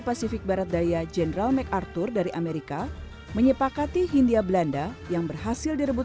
pasifik barat daya general mcharthur dari amerika menyepakati hindia belanda yang berhasil direbut